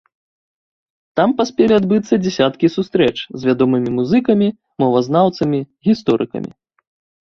Там паспелі адбыцца дзясяткі сустрэч з вядомымі музыкамі, мовазнаўцамі, гісторыкамі.